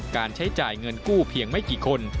การใช้จ่ายเงินกู้เพียงไม่กี่คน